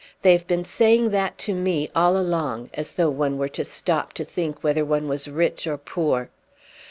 They have been saying that to me all along, as though one were to stop to think whether one was rich or poor."